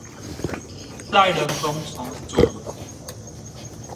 再人工重組